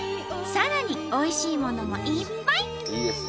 さらにおいしいものもいっぱい！